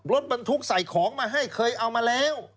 รถบรรทุกใส่ของมาให้เคยเอามาแล้ว